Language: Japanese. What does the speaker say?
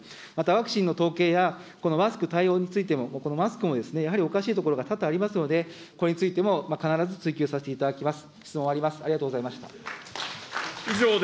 また、ワクチンの統計や、マスク対応についても、このマスクもやはりおかしいところが多々ありますので、これについても必ず追及させていただきます。